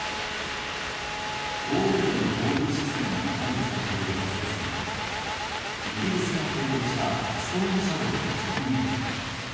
高レベルの防空システムが配備されているはずですがイギリスが提供したストームシャドーが直撃。